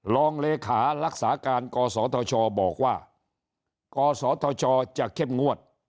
รองเลขารักษาการกศธชบอกว่ากศธชจะเข้มงวด